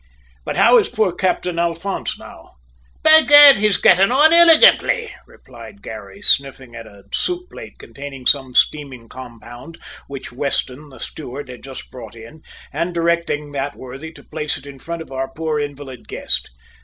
But how is poor Captain Alphonse now?" "Bedad, he's gitting on illegantly," replied Garry, sniffing at a soup plate containing some steaming compound which Weston, the steward, had just brought in, and directing that worthy to place it in front of our poor invalid guest.